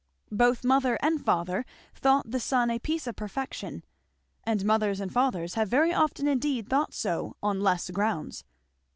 Both mother and father thought the son a piece of perfection, and mothers and fathers have very often indeed thought so on less grounds.